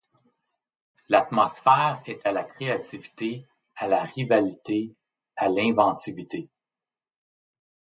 L'atmosphère est à la créativité, à la rivalité, à l'inventivité.